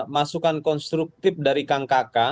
masukan konstruktif dari kang kakak